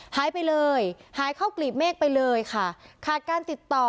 หายไปเลยหายเข้ากลีบเมฆไปเลยค่ะขาดการติดต่อ